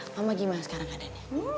mama gimana sekarang keadaannya